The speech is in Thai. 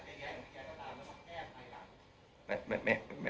ใช้ความเห็นไปแล้วแล้วแยกกับตามแล้วมาแก้ประหยัง